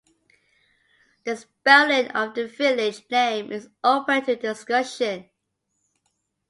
The spelling of the village name is open to discussion.